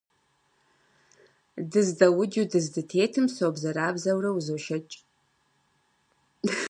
Дыздэуджу дыздытетым собзэрабзэурэ узошэкӀ.